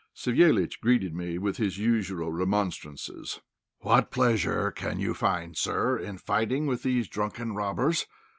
Savéliitch greeted me with his usual remonstrances "What pleasure can you find, sir, in fighting with these drunken robbers?